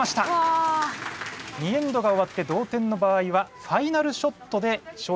２エンドが終わって同点の場合はファイナルショットでしょ